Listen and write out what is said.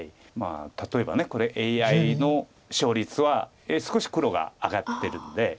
例えばこれＡＩの勝率は少し黒が上がってるんで。